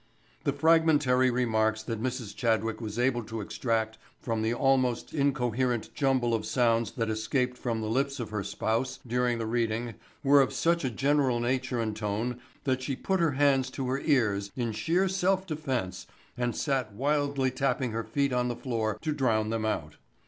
The fragmentary remarks that Mrs. Chadwick was able to extract from the almost incoherent jumble of sounds that escaped from the lips of her spouse during the reading were of such a general nature and tone that she put her hands to her ears in sheer self defense and sat wildly tapping her feet on the floor to drown them out.